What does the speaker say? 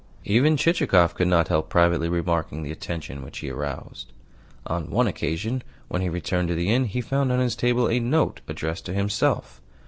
Even Chichikov could not help privately remarking the attention which he aroused. On one occasion, when he returned to the inn, he found on his table a note addressed to himself.